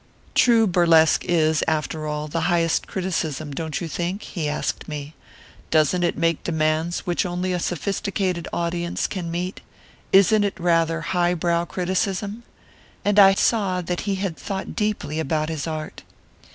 "'True burlesque is, after all, the highest criticism, don't you think?' he asked me. 'Doesn't it make demands which only a sophisticated audience can meet isn't it rather high brow criticism?' And I saw that he had thought deeply about his art.